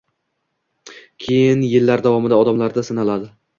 keyin yillar davomida odamlarda «sinaladi».